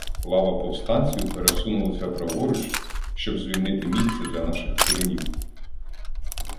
Лава повстанців пересунулася праворуч, щоб звільнити місце для наших куренів.